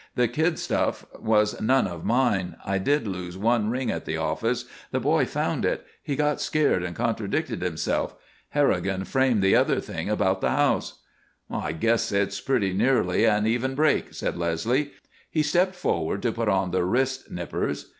The kid stuff was none of mine. I did lose one ring at the office. The boy found it. He got scared and contradicted himself. Harrigan framed the other thing about the house." "I guess it's pretty nearly an even break," said Leslie. He stepped forward to put on the wrist nippers.